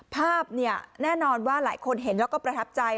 ภาพเนี่ยแน่นอนว่าหลายคนเห็นแล้วก็ประทับใจ